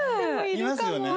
いますよね？